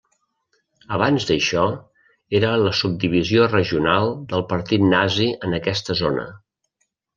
Abans d'això era la subdivisió regional del partit nazi en aquesta zona.